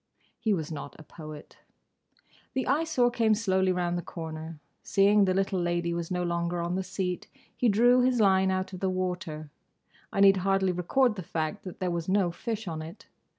He was not a poet. The Eyesore came slowly round the corner. Seeing the little lady was no longer on the seat, he drew his line out of the water—I need hardly record the fact that there was no fish on it.